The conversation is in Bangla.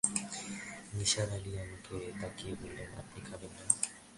নিসার আলি আমার দিকে তাকিয়ে বললেন, আপনি খবেন না?